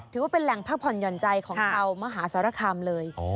ถือว่าเป็นแหล่งพักผ่อนหย่อนใจของชาวมหาสารคามเลย